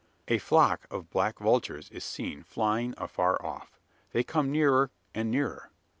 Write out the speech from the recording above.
A flock of black vultures is seen flying afar off. They come nearer, and nearer.